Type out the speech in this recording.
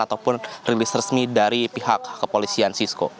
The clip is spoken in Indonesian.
ataupun rilis resmi dari pihak kepolisian sisko